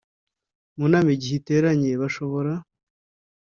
Mu nama igihe iteranye bashobora